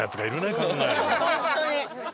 本当に！